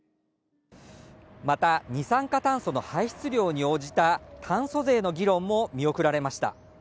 また二酸化炭素の排出量に応じた炭素税の議論も見送られました